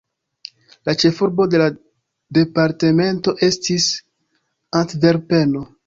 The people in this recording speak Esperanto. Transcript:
La ĉefurbo de la departemento estis Antverpeno.